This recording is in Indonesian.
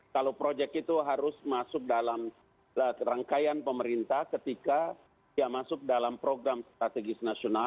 kalau proyek itu harus masuk dalam rangkaian pemerintah ketika dia masuk dalam program strategis nasional